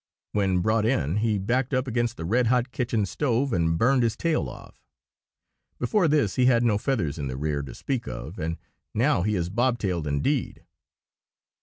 When brought in, he backed up against the red hot kitchen stove, and burned his tail off. Before this he had no feathers in the rear to speak of, and now he is bobtailed indeed.